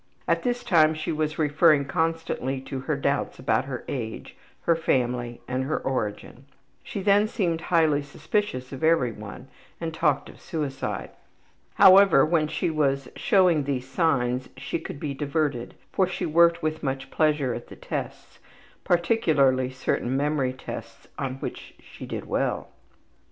At this time she was referring constantly to her doubts about her age, her family, and her origin. She then seemed highly suspicious of every one and talked of suicide. However, when she was showing these signs she could be diverted, for she worked with much pleasure at the tests, particularly certain memory tests on which she did well.